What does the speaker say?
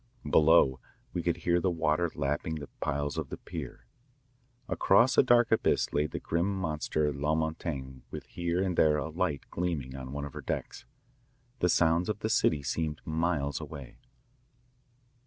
Below we could hear the water lapping the piles of the pier. Across a dark abyss lay the grim monster La Montaigne with here and there a light gleaming on one of her decks. The sounds of the city seemed miles away.